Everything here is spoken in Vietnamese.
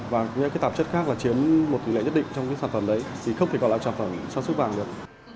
và những tạp chất khác là chiếm một tỷ lệ nhất định trong sản phẩm đấy thì không thể còn lại sản phẩm sản sức vàng được